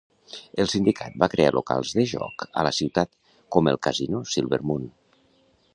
El sindicat va crear locals de joc a la ciutat, com el casino Silver Moon.